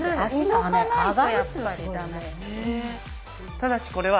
ただしこれは。